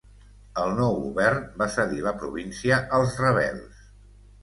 El nou govern va cedir la província als rebels.